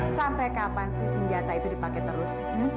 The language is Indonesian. sampai kapan sih senjata itu dipakai terus